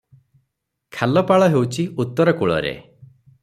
ଖାଲପାଳ ହେଉଛି ଉତ୍ତର କୂଳରେ ।